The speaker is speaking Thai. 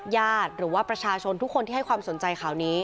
ญาติหรือว่าประชาชนทุกคนที่ให้ความสนใจข่าวนี้